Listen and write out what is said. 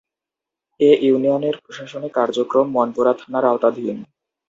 এ ইউনিয়নের প্রশাসনিক কার্যক্রম মনপুরা থানার আওতাধীন।